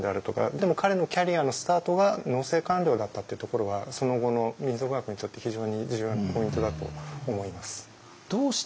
でも彼のキャリアのスタートが農政官僚だったっていうところがその後の民俗学にとって非常に重要なポイントだと思います。